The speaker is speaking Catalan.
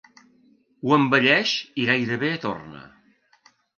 Ho embelleix i gairebé torna.